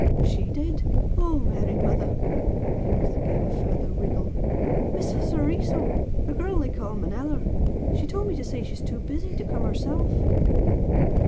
"SHE did oh, Mary mother!" and the youth gave a further wriggle "Miss Soriso the girl they call Manella. She told me to say she's too busy to come herself."